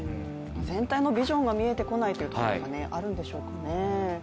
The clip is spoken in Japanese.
全体のビジョンが見えてこないというところもあるんでしょうね。